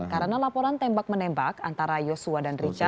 karena laporan tembak menembak antara yosua dan richard